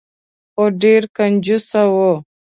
خو ډیر کنجوس و.